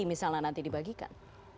misalnya nanti dibagikan